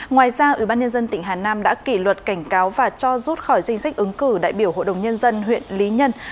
ngoài ra ủy ban nhân dân tỉnh hà nam đã kỷ luật cảnh cáo và cho rút khỏi danh sách ứng cử đại biểu hội đồng nhân dân huyện lý nhân